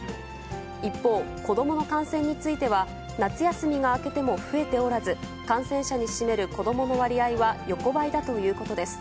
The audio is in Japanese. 一方、子どもの感染については、夏休みが明けても増えておらず、感染者に占める子どもの割合は横ばいだということです。